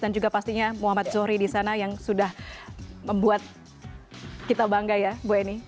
dan juga pastinya muhammad zohri di sana yang sudah membuat kita bangga ya bu eni